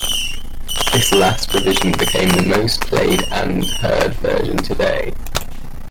This last revision became the most played and heard version today.